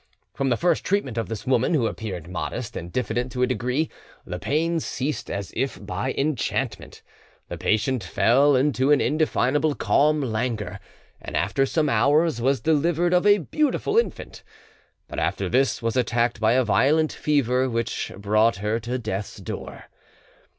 From the first treatment of this woman, who appeared modest and diffident to a degree, the pains ceased as if by enchantment; the patient fell into an indefinable calm languor, and after some hours was delivered of a beautiful infant; but after this was attacked by a violent fever which brought her to death's door.